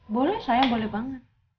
boleh sayang boleh banget